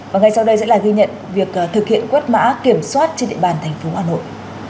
và ngay sau đây sẽ là ghi nhận việc thực hiện quét mã kiểm soát trên địa bàn thành phố hà nội